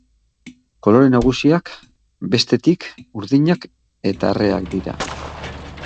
Kolore nagusiak, bestetik, urdinak eta arreak dira.